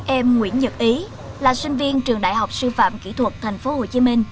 em nguyễn nhật ý là sinh viên trường đại học sư phạm kỹ thuật tp hcm